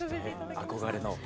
憧れの。